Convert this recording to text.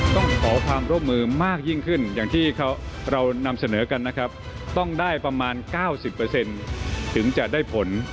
ต้องขอความร่วมมือมากยิ่งขึ้นอย่างที่เรานำเสนอกันนะครับต้องได้ประมาณ๙๐ถึงจะได้ผล